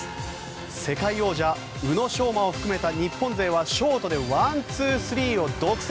世界王者宇野昌磨を含めた日本勢はショートでワンツースリーを独占。